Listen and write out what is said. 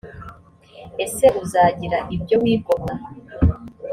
ese uzagira ibyo wigomwa